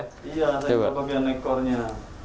iya coba biar nekornya